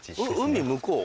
海向こう？